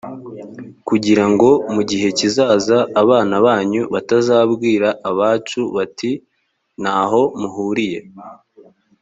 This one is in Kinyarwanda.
kugira ngo mu gihe kizaza abana banyu batazabwira abacu bati nta ho muhuriye